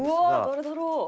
誰だろう？